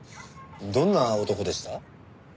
どんな男でした？